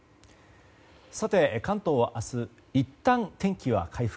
関東は明日いったん天気は回復。